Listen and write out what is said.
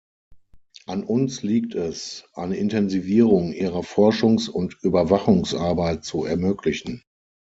An uns liegt es, eine Intensivierung ihrer Forschungs- und Überwachungsarbeit zu ermöglichen.